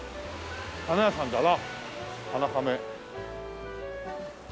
花屋さんだな「花亀」